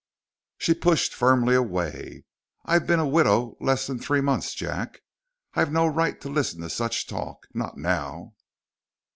She pushed firmly away. "I've been a widow less than three months, Jack. I've no right to listen to such talk. Not now."